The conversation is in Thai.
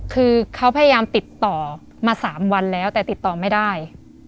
คือเขาพยายามติดต่อมา๓วันแล้วแต่ติดต่อไม่ได้